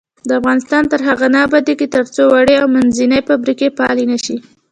افغانستان تر هغو نه ابادیږي، ترڅو وړې او منځنۍ فابریکې فعالې نشي.